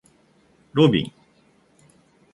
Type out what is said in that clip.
ロビン